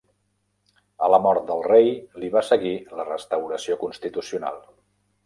A la mort del rei, li va seguir la restauració constitucional.